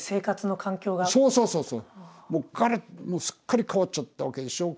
もうすっかり変わっちゃったわけでしょ。